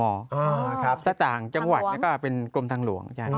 อาจารย์ต่างจังหวัดก็เป็นกรมทางหลวง